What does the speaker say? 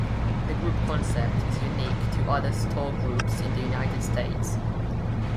The group concept is unique to other store groups in the United States.